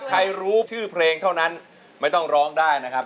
ใครรู้ชื่อเพลงเท่านั้นไม่ต้องร้องได้นะครับ